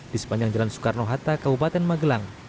di sepanjang jalan soekarno hatta kabupaten magelang